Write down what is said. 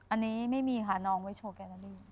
อันนี้ไม่มีหานองไว้โชว์แกรรี